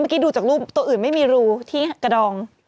เมื่อกี้ดูจากรูปตัวอื่นไม่มีรูที่กระดอง